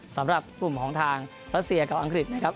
สำหรับกลุ่มของทางรัสเซียกับอังกฤษนะครับ